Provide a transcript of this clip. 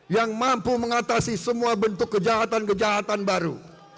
yang mampu mengatasi semua bentuk kejahatan kejahatan baru